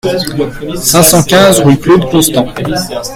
cinq cent quinze rue Claude Constant